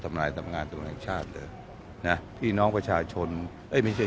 ทำร้ายทำงานตรงแห่งชาติเลย